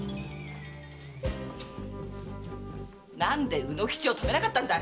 何で卯之吉を止めなかったんだい？